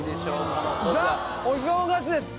ザ・お正月です。